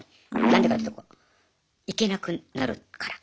何でかっていうと行けなくなるから。